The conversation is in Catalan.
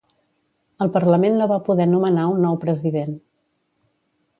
El Parlament no va poder nomenar un nou president.